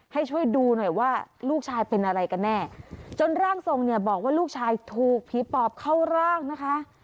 ให้ช่วยดูหน่อยว่าลูกชายเป็นอะไรกันแน่จนร่างทรงเนี่ยบอกว่าลูกชายถูกผีปอบเข้าร่างนะคะ